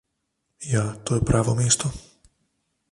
Ja, to je pravo mesto.